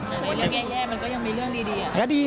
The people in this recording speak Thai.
มันไม่ใช่แย่มันก็ยังมีเรื่องดีอ่ะ